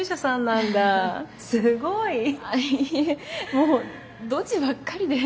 もうドジばっかりで。